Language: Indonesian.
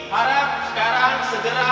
harap sekarang segera